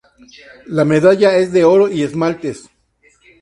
La medalla es de oro y esmaltes.